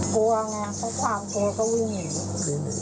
กลัวไงเขาความกลัวเขาวิ่งอยู่